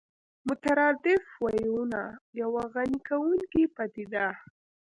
مترادف ويونه يوه غني کوونکې پدیده